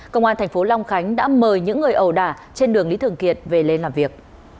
công an thành phố long khánh đã mời những người ẩu đả trên đường lý thường kiệt về lên làm việc